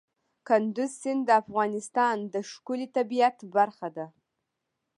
کندز سیند د افغانستان د ښکلي طبیعت برخه ده.